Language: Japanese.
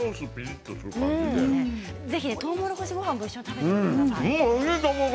ぜひとうもろこしごはんも一緒に食べてみてください。